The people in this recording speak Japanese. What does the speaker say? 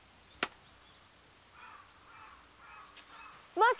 もし！